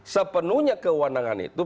sepenuhnya kewenangan itu